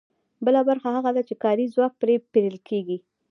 بله برخه هغه ده چې کاري ځواک پرې پېرل کېږي